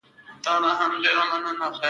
جامې یې څنګه دي؟